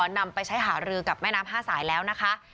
นำไปใช้หารือกับแม่น้ำ๕สายแล้วนะคะ